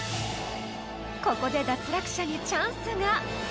［ここで脱落者にチャンスが］